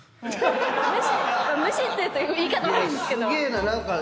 無視っていうと言い方悪いんですけど。